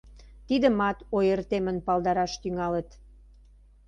Тидымат ойыртемын палдараш тӱҥалыт.